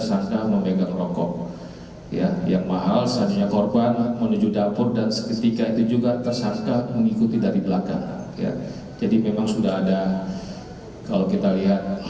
ada dendam yang sudah sering dimarah marahi